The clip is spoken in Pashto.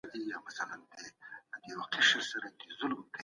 هندواڼه د تندې له منځه وړلو لپاره غوره ده.